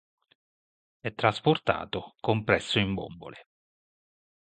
È trasportato compresso in bombole.